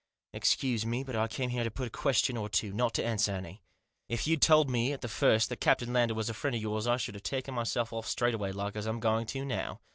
" Excuse me, but I came here to put a question or two, not to answer any. If you'd told me at the first that Captain Lander was a friend of yours, I should have taken myself off straightway, like as I'm going to now."